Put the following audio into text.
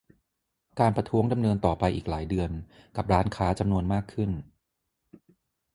การประท้วงดำเนินต่อไปอีกหลายเดือนกับร้านค้าจำนวนมากขึ้น